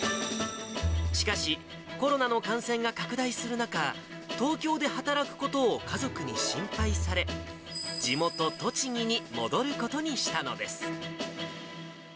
しかし、コロナの感染が拡大する中、東京で働くことを家族に心配され、地元、栃木に戻ることにしたのです。